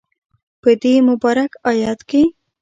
په دی مبارک ایت کی